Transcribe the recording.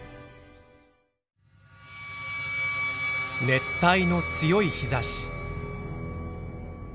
熱帯の強い日ざし。